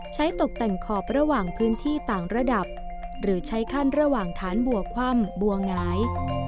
ตกแต่งขอบระหว่างพื้นที่ต่างระดับหรือใช้ขั้นระหว่างฐานบัวคว่ำบัวหงาย